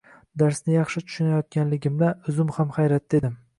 Darsni yaxshi tushunayotganligimdan o`zim ham hayratda edim